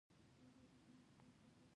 افغانستان زما ارمان دی